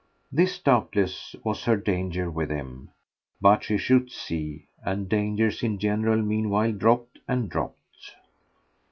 This doubtless was her danger with him; but she should see, and dangers in general meanwhile dropped and dropped.